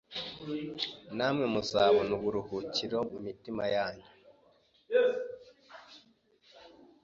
namwe muzabona uburuhukiro mu mitima yanyu,